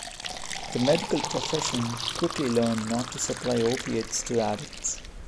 The medical profession quickly learned not to supply opiates to addicts.